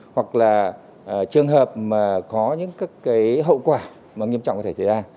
hoặc là trường hợp mà có những hậu quả nghiêm trọng có thể xảy ra